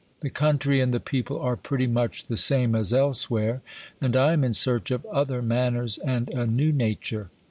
The country and the people are pretty much the same as elsewhere, and I am in search of other manners and a new nature.